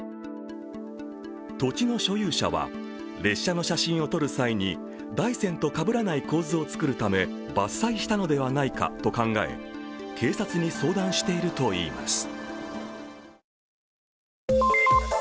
土地の所有者は、列車の写真を撮る際に大山とかぶらない構図を作るため伐採したのではないかと考え、警察に相談しているといいます。